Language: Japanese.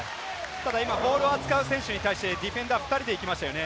今ボールを扱う選手に対してディフェンダー２人で行きましたね。